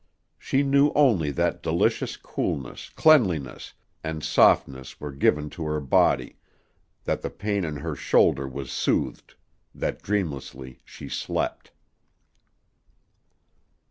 She knew only that delicious coolness, cleanliness, and softness were given to her body, that the pain in her shoulder was soothed, that dreamlessly she slept.